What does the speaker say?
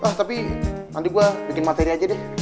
wah tapi nanti gua bikin materi aja deh